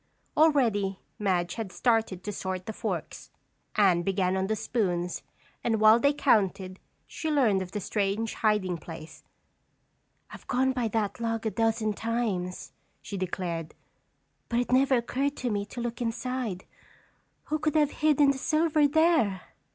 Already Madge had started to sort the forks. Anne began on the spoons and while they counted, she learned of the strange hiding place. "I've gone by that log a dozen times," she declared, "but it never occurred to me to look inside. Who could have hidden the silver there?"